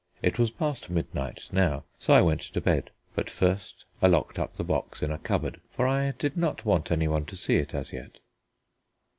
It was past midnight now, so I went to bed: but first I locked up the box in a cupboard, for I did not want anyone to see it as yet.